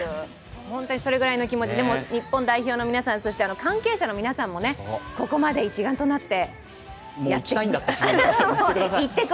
本当にそれぐらいの気持ちで日本代表の皆さん、関係者の皆さんもここまで一丸となって。